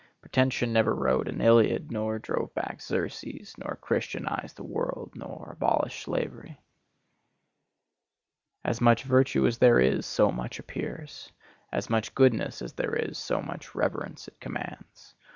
Pretension never wrote an Iliad, nor drove back Xerxes, nor christianized the world, nor abolished slavery. As much virtue as there is, so much appears; as much goodness as there is, so much reverence it commands.